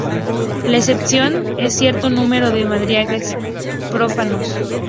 La excepción es cierto número de madrigales profanos.